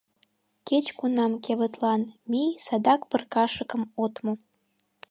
Кеч-кунам кевытлан! мий, садак пыркашыкым от му.